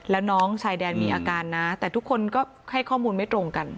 แล้วน้องชายแดนมีอาการนะแต่ทุกคนก็ให้ข้อมูลไม่ตรงกัน